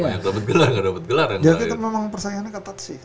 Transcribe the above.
ya kan memang persaingannya ketat sih